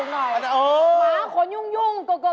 ม้างขนยุ่งเกอ